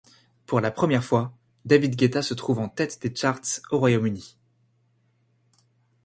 Pour la première fois, David Guetta se trouve en tête des charts au Royaume-Uni.